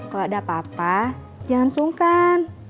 kalau ada apa apa jangan sungkan